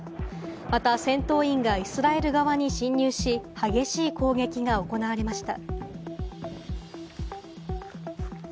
また戦闘員がイスラエル側に侵入し、激しい攻撃が行われました。